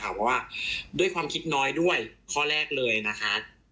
เพราะว่าด้วยความคิดน้อยด้วยข้อแรกเลยนะคะ